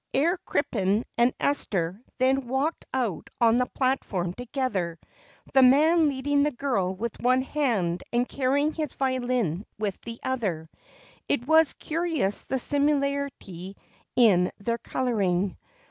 Herr Crippen and Esther then walked out on the platform together, the man leading the girl with one hand and carrying his violin with the other, and it was curious the similarity in their coloring.